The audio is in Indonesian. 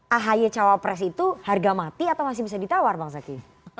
ahy cawapres itu harga mati atau masih bisa ditawar bang zaky